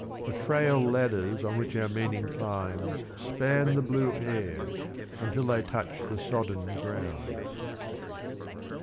The frail ladders On which our meaning climbs Span the blue air Until they touch the sodden ground.